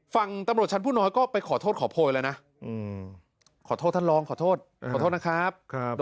ฝั่งตำรวจชั้นผู้น้อยก็ไปขอโทษขอโพยแล้วนะขอโทษท่านรองขอโทษขอโทษนะครับ